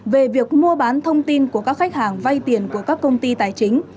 về việc mua bán thông tin của các khách hàng vay tiền của các công ty tài chính